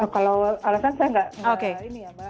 kalau alasan saya nggak ini ya mbak